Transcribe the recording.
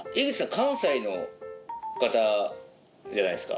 関西の方じゃないですか。